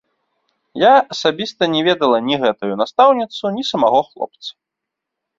Я асабіста не ведала ні гэтую настаўніцу, ні самога хлопца.